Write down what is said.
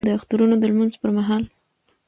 د اخترونو د لمونځ په مهال کې